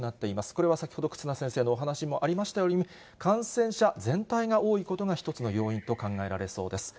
これは先ほど、忽那先生のお話しにもありましたように、感染者全体が多いことが一つの要因と考えられそうです。